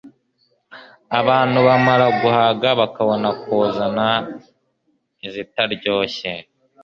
abantu bamara guhaga bakabona kuzana izitaryoshye;